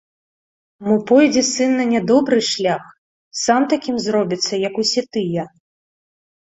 Мо пойдзе сын на нядобры шлях, сам такім зробіцца, як усе тыя.